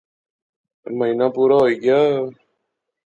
مہینہ پورا ہوئی گیا